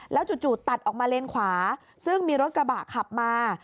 จู่ตัดออกมาเลนขวาซึ่งมีรถกระบะขับมา